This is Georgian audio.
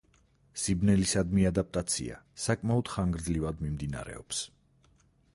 სიბნელისადმი ადაპტაცია საკმაოდ ხანგრძლივად მიმდინარეობს.